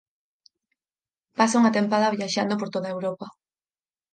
Pasa unha tempada viaxando por Europa.